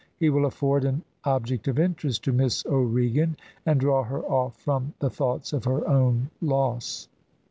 He will afford an object of interest to Miss O'Regan, and draw her off from the thoughts of her own loss."